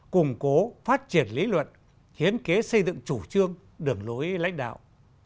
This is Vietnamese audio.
củng cố phát triển lý luận hiến kế xây dựng chủ trương đường lối lãnh đạo